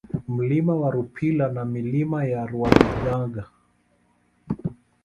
Mlima wa Rupila na Milima ya Rwabigaga